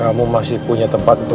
aku datang untuk menjaga nou